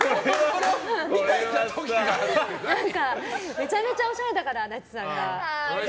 めちゃめちゃおしゃれだから足立さんが。